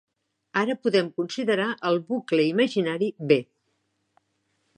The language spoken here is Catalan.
Ara podem considerar el bucle imaginari "b".